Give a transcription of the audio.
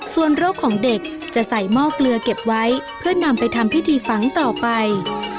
ส่วนโรคของเด็กจะใส่หม้อเกลือเก็บไว้เพื่อนำไปทำพิธีฝังต่อไป